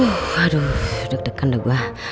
wuhh aduh deg degan dah gua